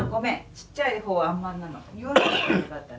ちっちゃいほうはあんまんなの。